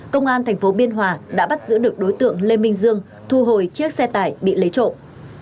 công an tp biên hòa đã bắt giữ được đối tượng lê minh dương thu hồi chiếc xe tải bị lấy trộm